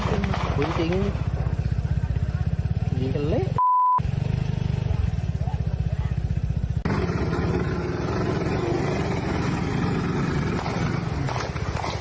โอ้โห